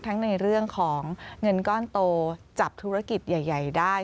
ในเรื่องของเงินก้อนโตจับธุรกิจใหญ่ได้